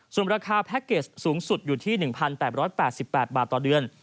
ส่วนราคาแพ็คเกจสูงสุดอยู่ที่๑๘๘บาทต่อเดือน